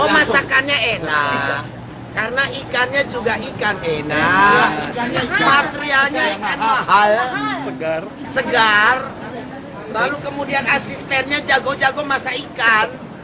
oh masakannya enak karena ikannya juga ikan enak materialnya ikan mahal segar lalu kemudian asistennya jago jago masak ikan